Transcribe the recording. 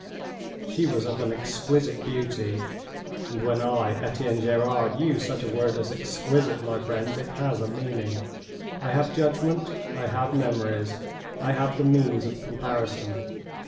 She was of an exquisite beauty and when I, Etienne Gerard, use such a word as "exquisite," my friends, it has a meaning. I have judgment, I have memories, I have the means of comparison.